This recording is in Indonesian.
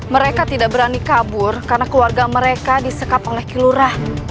mereka tidak berani kabur karena keluarga mereka disekap oleh kilurah